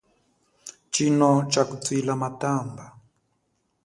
Tshino tsha kutwila matamba.